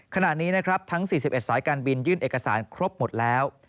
ขณะนี้นะครับทั้ง๔๑สายการบินยื่นเอกสารครบหมดแล้ว